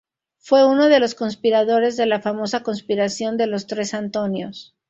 Fue uno de los conspiradores de la famosa Conspiración de los tres Antonios.